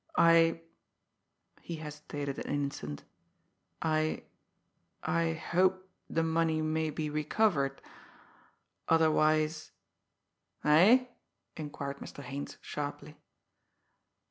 I" he hesitated an instant "I I hope the money may be recovered, otherwise " "Eh?" inquired Mr. Haines sharply.